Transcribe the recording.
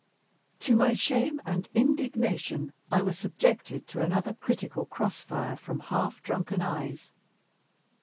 To my shame and indignation, I was subjected to another critical cross fire from half drunken eyes.